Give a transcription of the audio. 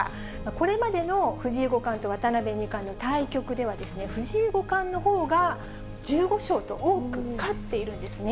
これまでの藤井五冠と渡辺二冠の対局では、藤井五冠のほうが、１５勝と多く勝っているんですね。